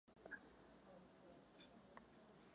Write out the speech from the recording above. Angažoval se v podpoře jednotek Irgun.